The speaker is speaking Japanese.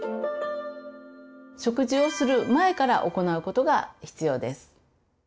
食事をする前から行うことが必要です。